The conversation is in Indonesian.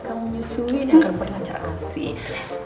kamu nyusuin agar boleh pacar asin